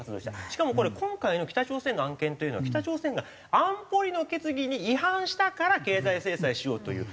しかもこれ今回の北朝鮮の案件というのは北朝鮮が安保理の決議に違反したから経済制裁しようという。